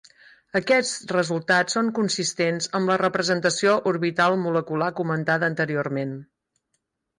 Aquests resultats són consistents amb la representació orbital molecular comentada anteriorment.